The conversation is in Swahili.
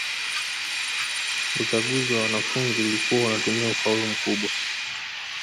uchaguzi wa wanafunzi ulikuwa unatumia ufaulu mkubwa